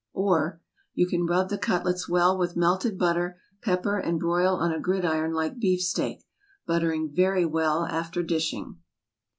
Or, You can rub the cutlets well with melted butter, pepper, and broil on a gridiron like beef steak, buttering very well after dishing.